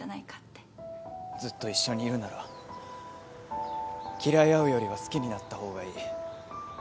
ずっと一緒にいるなら嫌い合うよりは好きになった方がいい。